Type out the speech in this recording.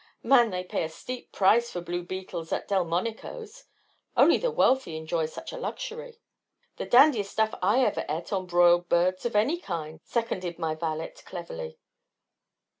Man, they pay a steep price for blue beetles at Delmonico's. Only the wealthy enjoy such a luxury." "The dandiest stuff I ever et on broiled birds of any kind," seconded my valet cleverly.